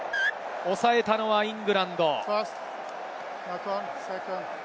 抑えたのはイングランド。